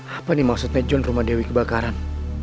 apa nih maksudnya john rumah dewi kebakaran